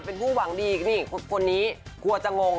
เป็นผู้หวังดีนี่คนนี้กลัวจะงง